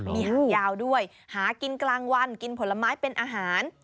มีหางยาวด้วยหากินกลางวันกินผลไม้เป็นอาหาร